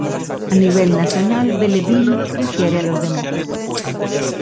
A nivel nacional, Belleville prefiere a los demócratas.